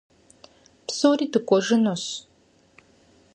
Псори дыкӀуэжынущ.